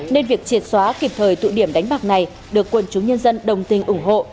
nên việc triệt xóa kịp thời tụ điểm đánh bạc này được quần chúng nhân dân đồng tình ủng hộ